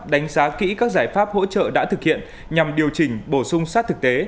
đánh giá kỹ các giải pháp hỗ trợ đã thực hiện nhằm điều chỉnh bổ sung sát thực tế